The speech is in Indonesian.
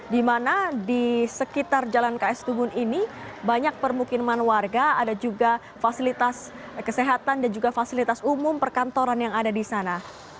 di mana di sekitar jalan ks tubun ini banyak permukiman warga ada juga fasilitas kesehatan dan juga fasilitas umum perkantoran yang ada di sana